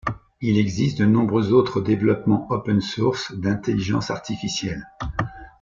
Il existe de nombreux autres développements Open Source d'intelligence artificielle.